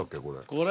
これ。